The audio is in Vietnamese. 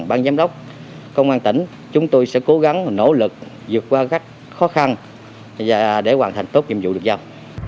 bang giám đốc công an tỉnh chúng tôi sẽ cố gắng nỗ lực dược qua các khó khăn để hoàn thành tốt nhiệm vụ được sao